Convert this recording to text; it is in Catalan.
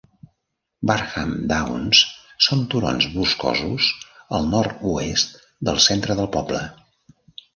Barham Downs són turons boscosos al nord-oest del centre del poble.